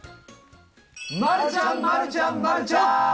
丸ちゃん、丸ちゃん、丸ちゃん。